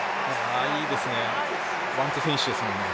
いいですね、ワン・ツーフィニッシュですもんね。